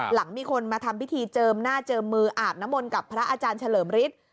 หลังมีคนมาทำพิธีเจิมหน้าเจิมมืออาบน้ำมนต์กับพระอาจารย์เฉลิมฤทธิ์